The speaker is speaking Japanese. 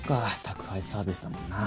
宅配サービスだもんな。